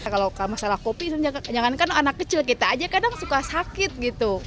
kalau masalah kopi jangankan anak kecil kita aja kadang suka sakit gitu